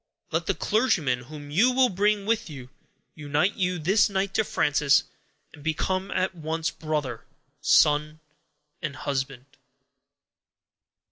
Let the clergyman whom you will bring with you, unite you this night to Frances, and become at once, brother, son, and husband."